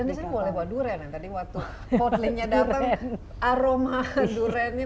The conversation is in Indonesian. dan disini boleh bawa durian ya tadi waktu kotlinnya datang aroma duriannya